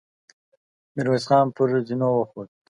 ميرويس خان پر زينو وخوت.